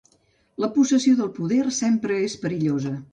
La possessió del poder sempre és perillosa.